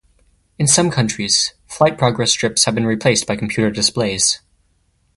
In some countries, flight progress strips have been replaced by computer displays.